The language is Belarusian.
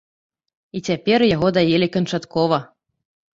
І цяпер яго даелі канчаткова.